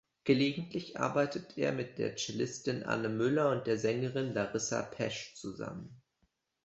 Gelegentlich arbeitet er mit der Cellistin Anne Müller und der Sängerin Larissa Pesch zusammen.